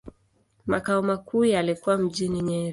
Makao makuu yalikuwa mjini Nyeri.